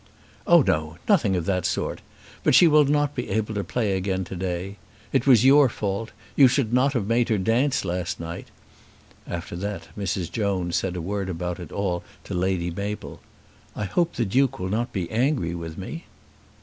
"Oh no; nothing of that sort; but she will not be able to play again to day. It was your fault. You should not have made her dance last night." After that Mrs. Jones said a word about it all to Lady Mabel. "I hope the Duke will not be angry with me."